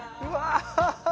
うわっ！